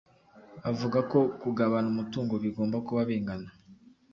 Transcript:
bavuga ko kugabana umutungo bigomba kuba bingana